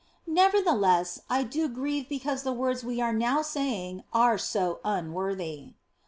Nevertheless, I do grieve because the words we are now saying are so unworthy.